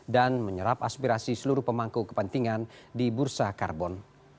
dan menyerap aspirasi seluruh pemangku kepentingan di bursa karbon